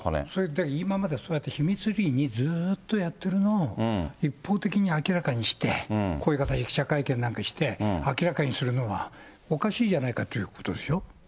だから今まではそれ、秘密裏にずーっとやってるのを、一方的に明らかにして、こういう形で記者会見なんかして、明らかにするのはおかしいじゃないかということでしょ。